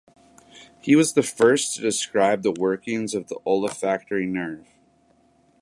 He was the first to describe the workings of the olfactory nerve.